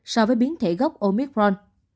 so với biến thể gốc omicron